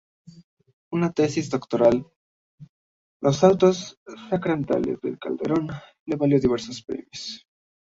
Su tesis doctoral, "Los Autos Sacramentales de Calderón", le valió diversos premios.